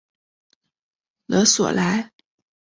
勒索莱。